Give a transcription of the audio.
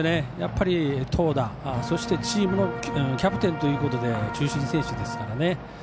投打、そしてチームのキャプテンということで中心選手ですからね。